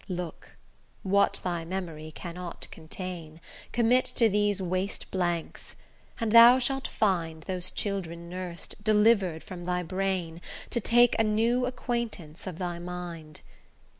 Look! what thy memory cannot contain, Commit to these waste blanks, and thou shalt find Those children nursed, deliver'd from thy brain, To take a new acquaintance of thy mind.